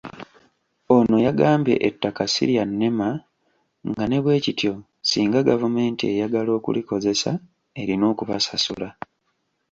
Ono yagambye ettaka ssi lya NEMA nga ne bwe kityo, singa gavumenti eyagala okulikozesa erina okubasasula.